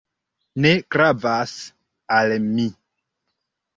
Ne gravas al mi."